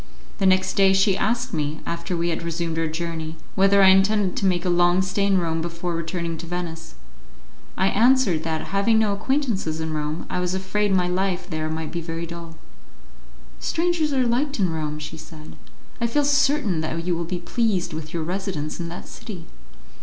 The next day she asked me, after we had resumed our journey, whether I intended to make a long stay in Rome before returning to Venice. I answered that, having no acquaintances in Rome, I was afraid my life there would be very dull. "Strangers are liked in Rome," she said, "I feel certain that you will be pleased with your residence in that city."